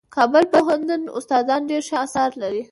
د کابل پوهنتون استادان ډېر ښه اثار لري.